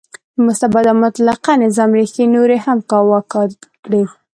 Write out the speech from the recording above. د مستبد او مطلقه نظام ریښې نورې هم کاواکه کړې.